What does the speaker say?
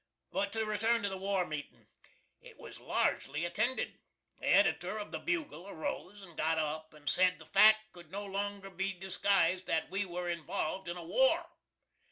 But to return to the war meetin'. It was largely attended. The Editor of the "Bugle" arose and got up and said the fact could no longer be disguised that we were involved in a war.